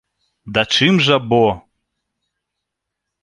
Да чым жа бо?!